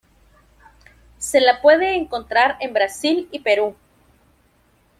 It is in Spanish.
Se la puede encontrar en Brasil y Perú.